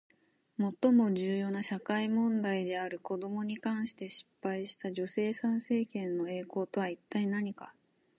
最も重要な社会問題である子どもに関して失敗した女性参政権の栄光とは一体何か？